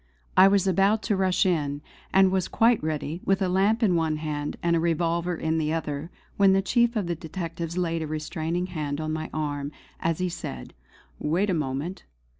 I was about to rush in, and was quite ready, with a lamp in one hand and a revolver in the other, when the chief of the detectives laid a restraining hand on my arm as he said: "Wait a moment.